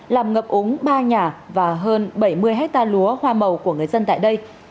làm ngập úng ba nhà và hơn bảy mươi hectare lúa hoa màu của người dân tại đây